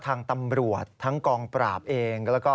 ทางตำรวจทั้งกองปราบเอง